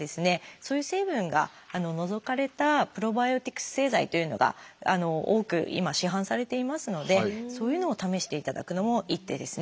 そういう成分が除かれたプロバイオティクス製剤というのが多く今市販されていますのでそういうのを試していただくのも一手ですね。